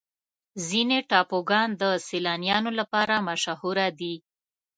ځینې ټاپوګان د سیلانیانو لپاره مشهوره دي.